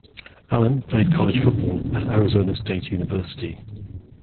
Allen played college football at Arizona State University.